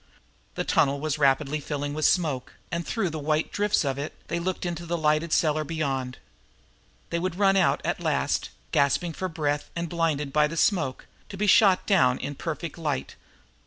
The tunnel was rapidly filling with smoke, and through the white drifts of it they looked into the lighted cellar beyond. They would run out at last, gasping for breath and blinded by the smoke, to be shot down in a perfect light.